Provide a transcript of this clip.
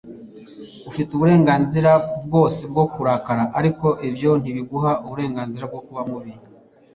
Ufite uburenganzira bwose bwo kurakara, ariko ibyo ntibiguha uburenganzira bwo kuba mubi.